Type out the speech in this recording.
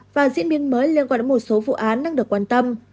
và diễn biến mới liên quan đến một số vụ án đang được quan tâm